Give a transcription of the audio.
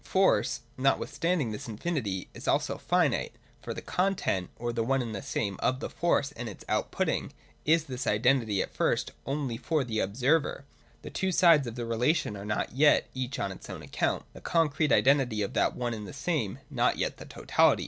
Force, notwithstanding this infinity, is also finite : for the content, or the one and the same of the Force and its out putting, is this identity at first only for the ob server : the two sides of the relation are not yet, each on its own account, the concrete identity of that one and same, not yet the totality.